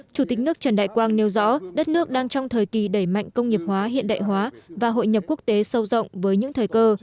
chủ tịch nước trần đại quang nêu rõ đất nước đang trong thời kỳ đẩy mạnh công nghiệp hóa hiện đại hóa và hội nhập quốc tế sâu rộng với những thời cơ